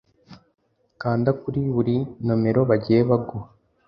Kanda kuri buri nomero bagiye baguha